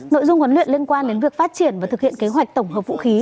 nội dung huấn luyện liên quan đến việc phát triển và thực hiện kế hoạch tổng hợp vũ khí